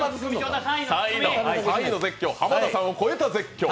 ３位の絶叫、浜田さんを超えた絶叫。